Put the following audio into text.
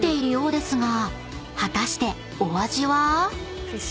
［果たしてお味は？］